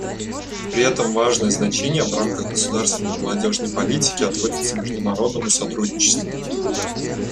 При этом важное значение в рамках государственной молодежной политики отводится международному сотрудничеству.